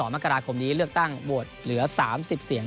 มกราคมนี้เลือกตั้งโหวตเหลือ๓๐เสียง